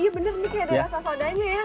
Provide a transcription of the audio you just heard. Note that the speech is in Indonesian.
iya bener nih kayak ada rasa sodanya ya